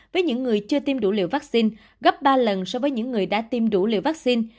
với những người chưa tiêm đủ liều vaccine gấp ba lần so với những người đã tiêm đủ liều vaccine